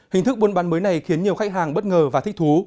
hình thức buôn bán mới này khiến nhiều khách hàng bất ngờ và thích thú